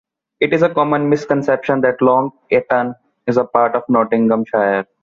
It is a common misconception that Long Eaton is part of Nottinghamshire.